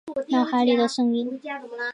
脑海里的声音